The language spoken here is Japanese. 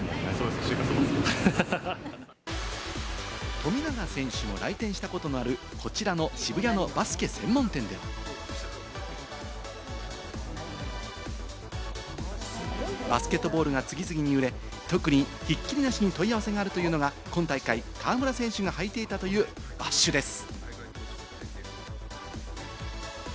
富永選手が来店したことのある、こちらの渋谷のバスケ専門店では、バスケットボールが次々に売れ、特にひっきりなしに問い合わせがあるというのが、今大会、河村選手が履いていたというバッシュです。